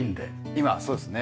今そうですね。